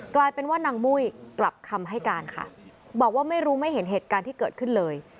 กลายเป็นว่านางมุ้ยกลับคำให้การค่ะบอกว่าไม่รู้ไม่เห็นเหตุการณ์ที่เกิดขึ้นเลย